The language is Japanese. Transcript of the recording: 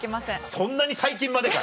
そんなに最近までか？